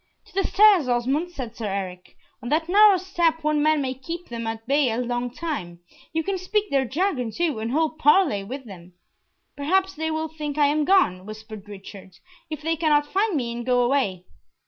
"To the stairs, Osmond," said Sir Eric. "On that narrow step one man may keep them at bay a long time. You can speak their jargon too, and hold parley with them." "Perhaps they will think I am gone," whispered Richard, "if they cannot find me, and go away."